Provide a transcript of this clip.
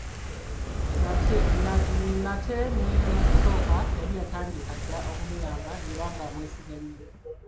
Nate ne mu kusooka yali yatandika dda okumuyamba era nga amwesiga nnyo.